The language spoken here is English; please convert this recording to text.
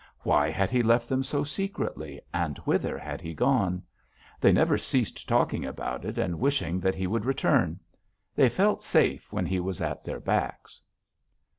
Why had he left them so secretly, and whither had he gone? They never ceased talking about it and wishing that he would return; they felt safe when he was at their backs.